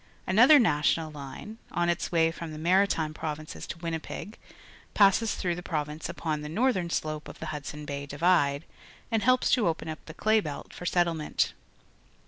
^Inother National line, on its waj^ from the Maritime Prov inces to Winnipeg, passes through the province upon the northern slope of the Hudson Bay divide, and helps to open up the clay belt for settlement.